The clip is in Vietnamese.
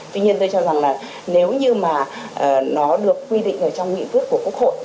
tuy nhiên tôi cho rằng là nếu như mà nó được quy định ở trong nghị quyết của quốc hội